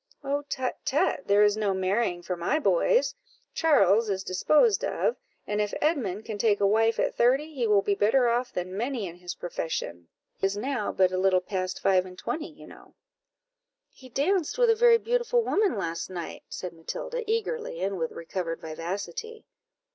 "Oh, tut, tut, there is no marrying for my boys. Charles is disposed of, and if Edmund can take a wife at thirty, he will be better off than many in his profession; he is now but a little past five and twenty, you know." "He danced with a very beautiful woman last night," said Matilda, eagerly, and with recovered vivacity.